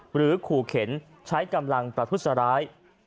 หรือขู่เข็นใช้กำลังประทุษร้าย